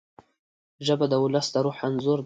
ژبه د ولس د روح انځور ده